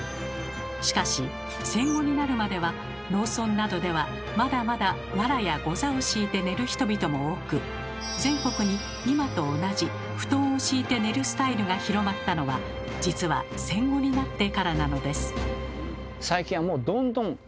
しかし戦後になるまでは農村などではまだまだわらやござを敷いて寝る人々も多く全国に今と同じ布団を敷いて寝るスタイルが広まったのは実は戦後になってからなのです。